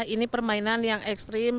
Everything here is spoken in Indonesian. ini permainan yang ekstrim